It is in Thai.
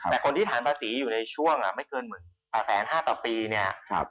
แต่คนที่ถามประสิอยู่ในช่วงอ่ะไม่เกินหมื่นอ่ะแสนห้าต่อปีเนี้ยครับ